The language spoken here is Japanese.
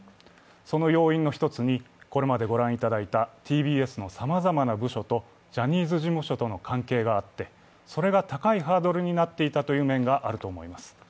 その要因の１つに、これまでご覧いただいたＴＢＳのさまざまな部署とジャニーズ事務所との関係があって、それが高いハードルになっていたという面があると思います。